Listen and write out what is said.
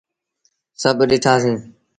سڀ ڏٺآ سيٚيٚن۔